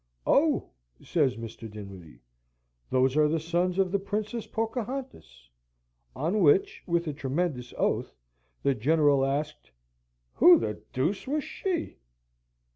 "Oh!" says Mr. Dinwiddie, "those are the sons of the Princess Pocahontas;" on which, with a tremendous oath, the General asked, "Who the deuce was she?"